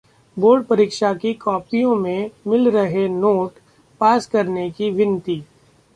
board परीक्षी की कॉपियों में मिल रहे नोट, पास करने की विनती